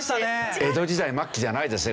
江戸時代末期じゃないですね